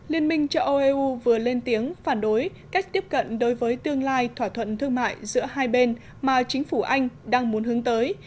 liên minh châu âu eu vừa lên tiếng phản đối cách tiếp cận đối với tương lai thỏa thuận thương mại giữa hai bên mà chính phủ anh đang muốn hướng tới